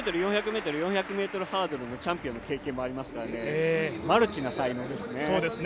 ２００ｍ、４００ｍ４００ｍハードルのチャンピオンの経験もありますからマルチな才能ですね。